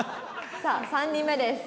さあ３人目です。